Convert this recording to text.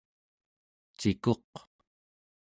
cikuq²